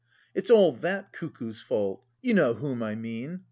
"It's all that cuckoo's fault! You know whom I mean?